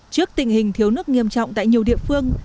trước tình hình thiếu nước nghiêm trọng tại nhiều địa phương